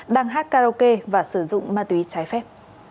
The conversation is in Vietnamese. đang hát karaoke và sử dụng ma túy trái phép